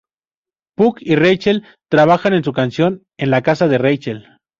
Puck y Rachel trabajan en su canción en la casa de Rachel.